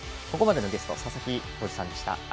ここまでのゲストは佐々木耕司さんでした。